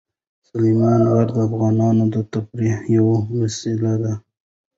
سلیمان غر د افغانانو د تفریح یوه وسیله ده.